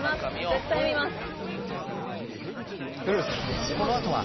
絶対見ます。